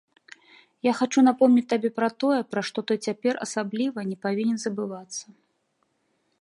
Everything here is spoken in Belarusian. Я хачу напомніць табе пра тое, пра што ты цяпер асабліва не павінен забывацца.